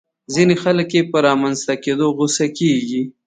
ځينې خلک يې په رامنځته کېدو غوسه کېږي.